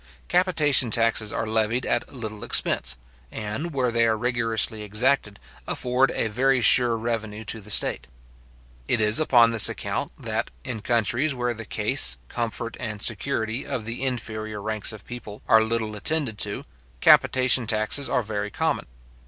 Capitation taxes are levied at little expense; and, where they are rigorously exacted, afford a very sure revenue to the state. It is upon this account that, in countries where the case, comfort, and security of the inferior ranks of people are little attended to, capitation taxes are very common.